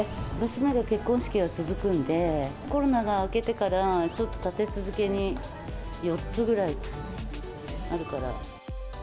娘の結婚式が続くんで、コロナが明けてから、ちょっと立て続けに４つぐらいあるから。